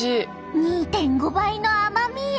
２．５倍の甘み。